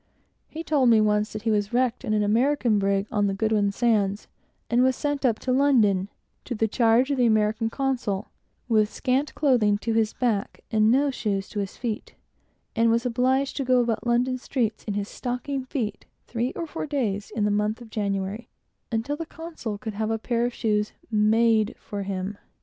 He told me once, himself, that he was wrecked in an American brig on the Goodwin Sands, and was sent up to London, to the charge of the American consul, without clothing to his back or shoes to his feet, and was obliged to go about London streets in his stocking feet three or four days, in the month of January, until the consul could have a pair of shoes made for him.